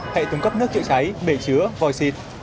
hãy tống cấp nước chữa cháy bể chứa vòi xịt